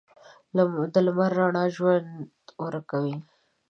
د لمر رڼا ژوند ورکوي.